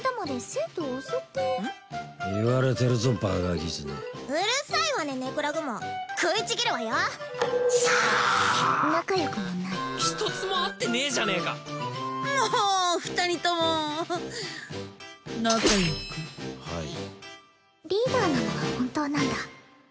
シャーッ仲良くもない一つも合ってねえじゃねえかもう二人とも仲良くはいリーダーなのは本当なんだ